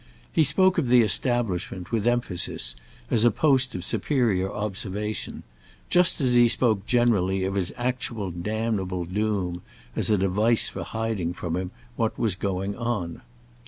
He spoke of the establishment, with emphasis, as a post of superior observation; just as he spoke generally of his actual damnable doom as a device for hiding from him what was going on.